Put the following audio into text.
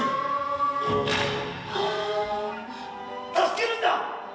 助けるんだ！